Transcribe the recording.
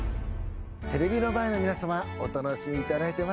テレビの前の皆さまお楽しみいただいてますか？